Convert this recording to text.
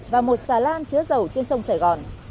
và một xà lan chứa dầu trên sông sài gòn